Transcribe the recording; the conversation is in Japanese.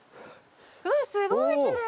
うわすごい奇麗！